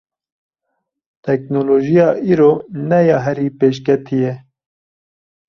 Teknolojiya îro ne ya herî pêşketî ye.